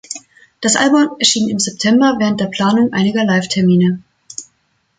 Das Album erschien im September, während der Planung einiger Live-Termine.